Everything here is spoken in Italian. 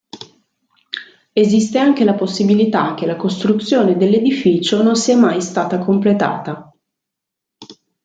Esiste anche la possibilità che la costruzione dell'edificio non sia mai stata completata.